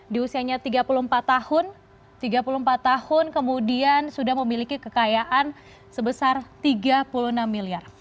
di usianya tiga puluh empat tahun kemudian sudah memiliki kekayaan sebesar tiga puluh enam miliar